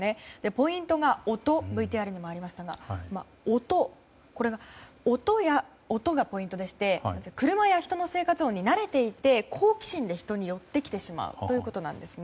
ポイントがＶＴＲにもありました音がポイントでして車や人の生活音に慣れていて、好奇心で人に寄ってきてしまうということです。